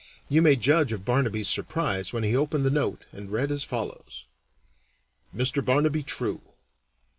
You may judge of Barnaby's surprise when he opened the note and read as follows: MR. BARNABY TRUE.